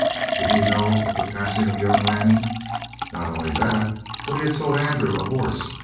Did he know of the passing of young Lanning? Not only that, but he had sold Andrew a horse.